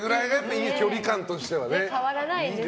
いい距離感としてはね。